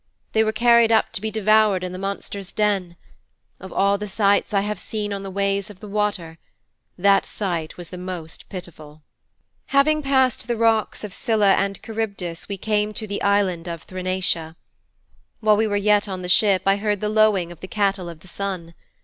They were carried up to be devoured in the monster's den. Of all the sights I have seen on the ways of the water, that sight was the most pitiful.' 'Having passed the rocks of Scylla and Charybdis we came to the Island of Thrinacia. While we were yet on the ship I heard the lowing of the Cattle of the Sun.